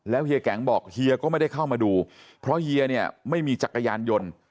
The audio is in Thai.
เฮียแก๊งบอกเฮียก็ไม่ได้เข้ามาดูเพราะเฮียเนี่ยไม่มีจักรยานยนต์